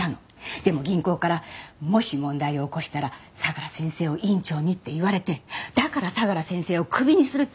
でも銀行からもし問題を起こしたら相良先生を院長にって言われてだから相良先生をクビにするって言い出したの！